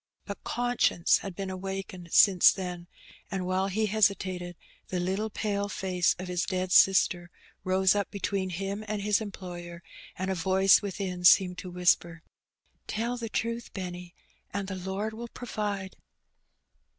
But conscience had been awakened since then, and, while he hesitated, the Httle pale face of his dead sister rose up between him and his employer, and a voice within seemed to whisper, "Tell the truth, Benny, and the Lord will provide.